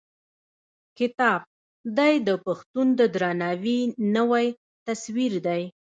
کتاب: دی د پښتون د درناوي نوی تصوير دی.